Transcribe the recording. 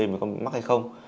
mình có mắc hay không